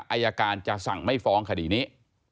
อายการจะสั่งไม่ฟ้องคดีนี้